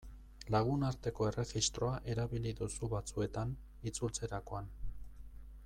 Lagunarteko erregistroa erabili duzu batzuetan, itzultzerakoan.